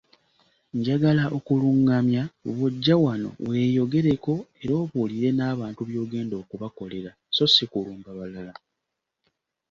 Njagala okulungamya, bw'ojja wano, weeyogereko era obuulire n’abantu by'ogenda okubakolera so ssi kulumba balala.